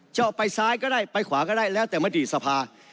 จะไปซ้ายก็ได้ไปขวาก็ได้แล้วแต่มติสภา